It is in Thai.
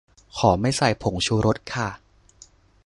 ขอไม่ใส่ผงชูรสค่ะ